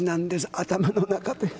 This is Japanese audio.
頭の中で。